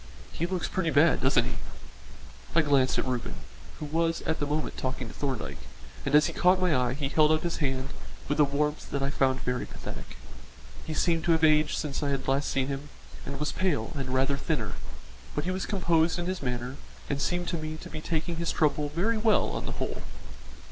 He looks pretty bad, doesn't he?" I glanced at Reuben, who was at the moment talking to Thorndyke, and as he caught my eye he held out his hand with a warmth that I found very pathetic. He seemed to have aged since I had last seen him, and was pale and rather thinner, but he was composed in his manner and seemed to me to be taking his trouble very well on the whole.